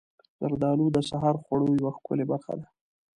زردالو د سحر خوړو یوه ښکلې برخه ده.